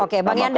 oke bang yandi